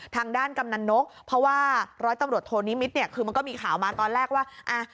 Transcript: กำนันนกเพราะว่าร้อยตำรวจโทนิมิตรเนี่ยคือมันก็มีข่าวมาตอนแรกว่า